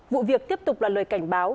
vụ việc tiếp tục là lời cảnh báo